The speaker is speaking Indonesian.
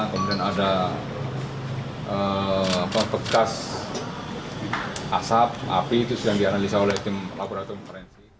kemudian ada bekas asap api itu sedang dianalisa oleh tim laboratorium forensik